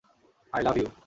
I love ইঊ।